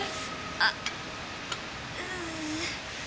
あっうっ！